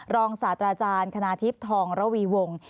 รองศาตราจารย์คณาธิบทองระวีวงศ์